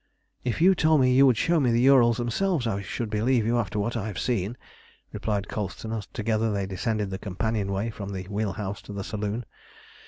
"If you told me you would show me the Ourals themselves, I should believe you after what I have seen," replied Colston, as together they descended the companion way from the wheel house to the saloon.